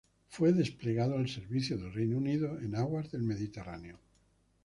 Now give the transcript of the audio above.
Fue desplegado al servicio del Reino Unido en aguas del Mediterráneo.